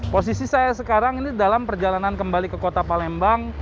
posisi saya sekarang ini dalam perjalanan kembali ke kota palembang